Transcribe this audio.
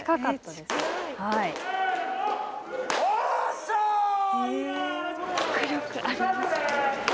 すごい。